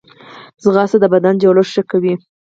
ځغاسته د بدني جوړښت ښه کوي